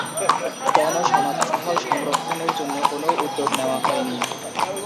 গণ সমাধিস্থল সংরক্ষণের জন্য কোন উদ্যোগ নেওয়া হয়নি।